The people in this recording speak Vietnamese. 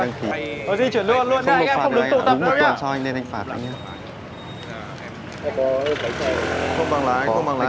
anh có bằng lá anh không bằng lá